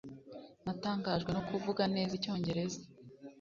Natangajwe no kuvuga neza icyongereza.